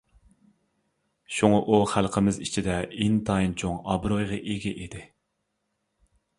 شۇڭا ئۇ خەلقىمىز ئىچىدە ئىنتايىن چوڭ ئابرۇيغا ئىگە ئىدى.